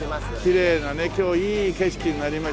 きれいなね今日いい景色になりましたわ。